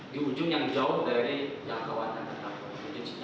di ujung yang jauh dari jangkauan yang tetap